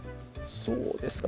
そうですかね